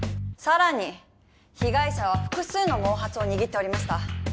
更に被害者は複数の毛髪を握っておりました。